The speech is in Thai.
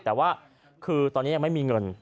แต่ว่าคือตอนนี้ยังไม่มีเงิน